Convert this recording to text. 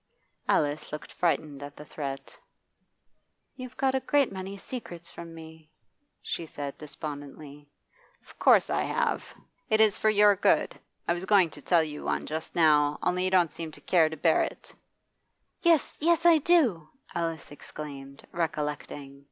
Alice looked frightened at the threat. 'You've got a great many secrets from me,' she said despondently. 'Of course I have. It is for your good. I was going to tell you one just now, only you don't seem to care to bear it.' 'Yes, yes, I do!' Alice exclaimed, recollecting.